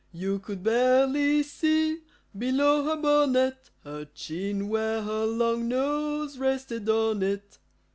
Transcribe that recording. You could barely see, below her bonnet, Her chin where her long nose rested on it.